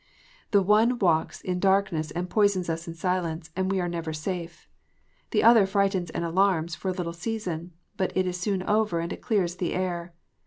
The one walks in darkness and poisons us in silence, and we are never safe. The other frightens and alarms for a little season. But it is soon over, and it clears the air.